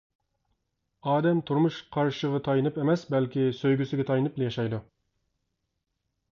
ئادەم تۇرمۇش قارىشىغا تايىنىپ ئەمەس، بەلكى سۆيگۈسىگە تايىنىپلا ياشايدۇ.